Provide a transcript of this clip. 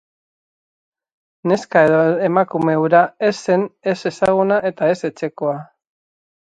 Neska edo emakume hura ez zen ez ezaguna eta ez etxekoa.